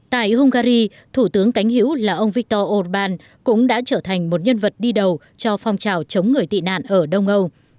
tại hungary thủ tướng cánh hữu là ông viktor orbán cũng đã trở thành một nhân vật đi đầu cho phong trào chống người tị nạn ở đông âu